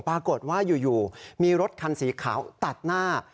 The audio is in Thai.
ปรากฏว่าอยู่มีรถคันสีขาวตัดหน้า